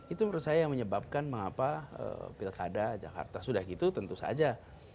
itu menurut saya yang menyebabkan mengapa pilkada jakarta sudah gitu tentu saja